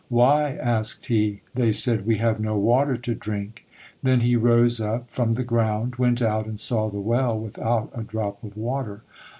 "Why?" asked he. They said, "We have no water to drink." Then he rose up from the ground, went out and saw the well without a drop of water.